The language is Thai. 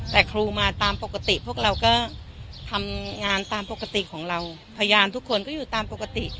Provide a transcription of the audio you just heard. แต่ครูมาตามปกติพวกเราก็ทำงานตามปกติของเราพยานทุกคนก็อยู่ตามปกติ